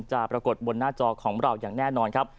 ปรากฏบนหน้าจอของเราอย่างแน่นอนครับ